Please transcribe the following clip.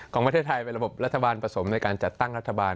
ของประเทศไทยเป็นระบบรัฐบาลผสมในการจัดตั้งรัฐบาล